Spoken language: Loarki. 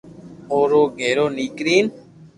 او روز گھرو نيڪرين